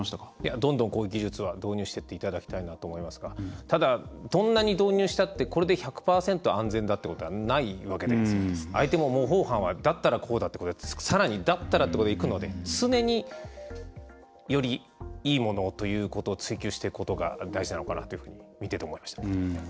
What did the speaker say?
どんどん、こういう技術は導入していっていただきたいなと思いますがただ、どんなに導入したってこれで１００％安全だってことはないわけで相手も、模倣犯は「だったら、こうだ」ってことでさらに「だったら」ってことでいくので、常によりいいものをということを追求していくことが大事なのかなと見てて思いました。